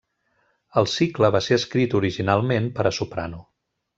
El cicle va ser escrit originalment per a soprano.